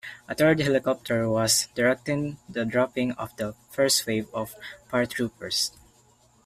A third helicopter was directing the dropping of the first wave of paratroopers.